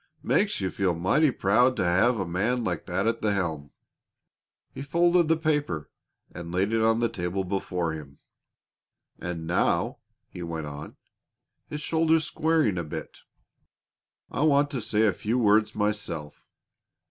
"Makes you feel mighty proud to have a man like that at the helm." He folded the paper and laid it on the table before him. "And now," he went on, his shoulders squaring a bit, "I want to say a few words myself.